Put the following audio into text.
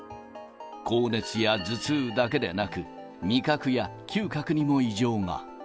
高熱や頭痛だけでなく、味覚や嗅覚にも異常が。